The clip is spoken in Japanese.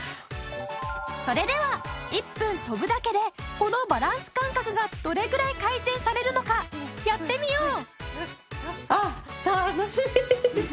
それでは１分跳ぶだけでこのバランス感覚がどれぐらい改善されるのかやってみよう！